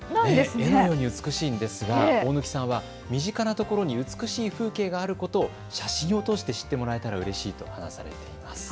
絵のように美しいんですが大貫さんは身近なところに美しい風景があることを写真を通して知ってもらえたらうれしいと話されています。